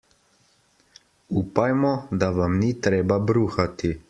Upajmo, da vam ni treba bruhati.